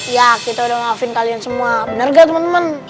ya kita udah ngafin kalian semua bener gak temen temen